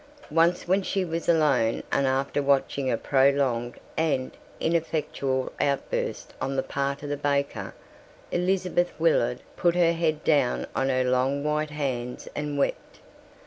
Once when she was alone, and after watching a prolonged and ineffectual outburst on the part of the baker, Elizabeth Willard put her head down on her long white hands and wept.